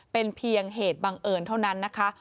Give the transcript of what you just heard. เป็นเพียงเหตุบังเอิญเท่านั้นนะคะ